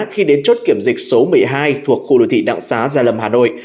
khi đến chốt kiểm dịch số một mươi hai thuộc khu đô thị đặng xá gia lâm hà nội